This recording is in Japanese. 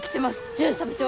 巡査部長。